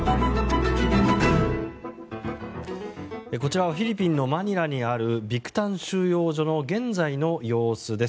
こちらはフィリピンのマニラにあるビクタン収容所の現在の様子です。